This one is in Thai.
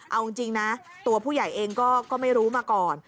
เอาจริงนะตัวผู้ใหญ่เองก็ไม่รู้มาก่อน